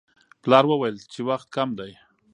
پلار وویل چې وخت کم دی.